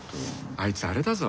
あいつアレだぞ。